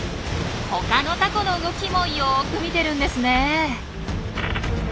他のタコの動きもよく見てるんですね。